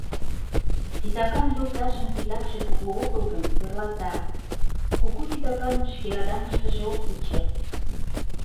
Титакан йолташын титакше кугу огыл гын, тӧрлата; кугу титаканым шке радамыштыже ок кучо.